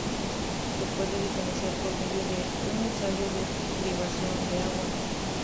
Se pueden diferenciar por medio de un ensayo de privación de agua.